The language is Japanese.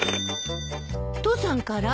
父さんから？